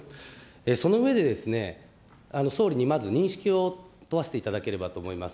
その上で、総理にまず認識を問わせていただければと思います。